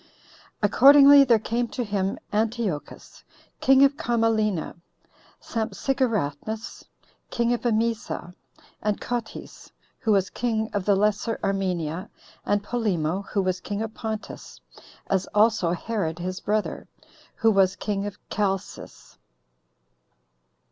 Accordingly there came to him Antiochus, king of Commalena, Sampsigeratnus, king of Emesa, and Cotys, who was king of the Lesser Armenia, and Polemo, who was king of Pontus, as also Herod his brother, who was king of Chalcis.